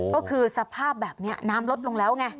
ก็คือสภาพแบบนี้น้ำลดลงแล้วไง